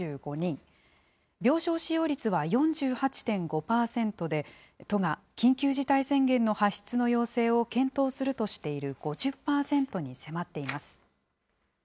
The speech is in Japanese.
病床使用率は４８．５％で、都が緊急事態宣言の発出の要請を検討するとしている５０％に迫っています。